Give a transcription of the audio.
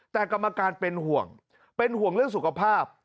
แต่กรรมการเป็นห่วงเป็นห่วงเรื่องสุขภาพ